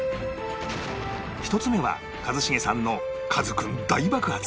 １つ目は一茂さんのカズくん大爆発